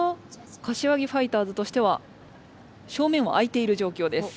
柏木ファイターズとしては正面はあいているじょうきょうです。